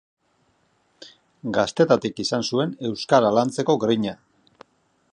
Gaztetatik izan zuen euskara lantzeko grina.